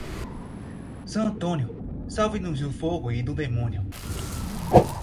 San Antonio, salve-nos do fogo e do demônio.